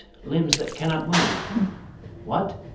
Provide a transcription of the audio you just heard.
limbs that cannot move!' 'What!